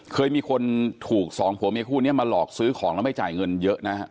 เคยมีคนถูกสองผัวเมียคู่นี้มาหลอกซื้อของแล้วไม่จ่ายเงินเยอะนะฮะ